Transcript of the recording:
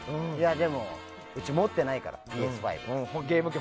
でも、うち持ってないからＰＳ５って。